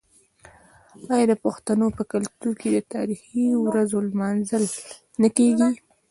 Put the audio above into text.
آیا د پښتنو په کلتور کې د تاریخي ورځو لمانځل نه کیږي؟